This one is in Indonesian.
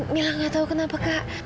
mila gak tahu kenapa kak